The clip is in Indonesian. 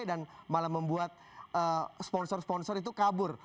dan malah membuat sponsor sponsor itu kabur